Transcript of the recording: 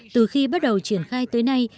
từ khi bắt đầu triển khai tới nay